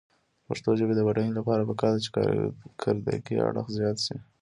د پښتو ژبې د بډاینې لپاره پکار ده چې کارکردي اړخ زیات شي.